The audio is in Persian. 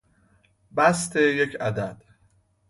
بسط یک عدد